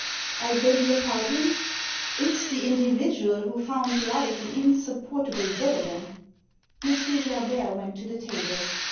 " I beg your pardon ?" "It's the individual who found life an insupport able burden." M. Gerbert went to the table.